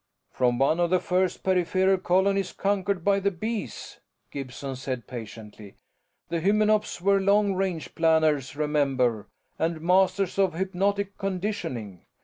"From one of the first peripheral colonies conquered by the Bees," Gibson said patiently. "The Hymenops were long range planners, remember, and masters of hypnotic conditioning.